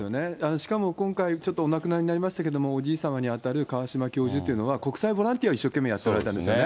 しかも今回、ちょっとお亡くなりになりましたけれども、おじい様に当たる川嶋教授というのは、国際ボランティアをたくさんやっておられたんですよね。